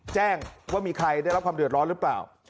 แจ้งว่ามีใครได้รับความเดือดร้อนหรือเปล่า